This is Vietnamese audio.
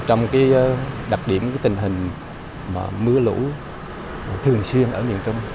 trong đặc điểm tình hình mưa lũ thường xuyên ở miền trung